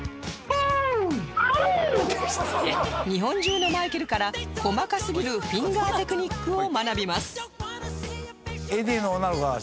日本中のマイケルから細かすぎるフィンガーテクニックを学びます